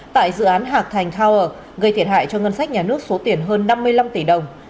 tại dự án hạc thành tower gây thiệt hại cho ngân sách nhà nước số tiền hơn năm mươi năm tỷ đồng